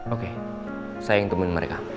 oke saya yang temuin mereka